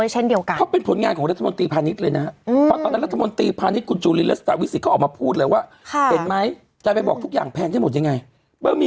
เห็นไหม